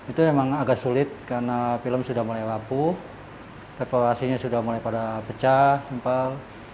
itu memang agak sulit karena film sudah mulai rapuh reformasinya sudah mulai pada pecah simpel